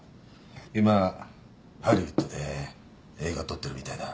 今ハリウッドで映画撮ってるみたいだ。